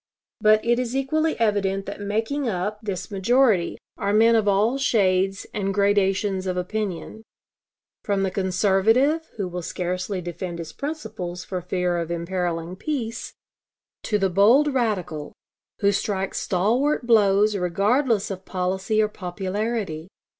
But it is equally evident that making up this majority are men of all shades and gradations of opinion, from the conservative who will scarcely defend his principles for fear of imperiling peace, to the bold radical who strikes stalwart blows regardless of policy or popularity.